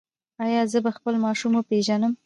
ایا زه به خپل ماشومان وپیژنم؟